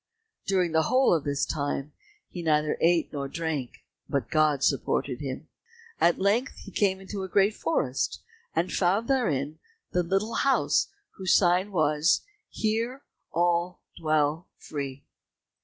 During the whole of this time he neither ate nor drank, but God supported him. At length he came into a great forest, and found therein the little house whose sign was, "Here all dwell free."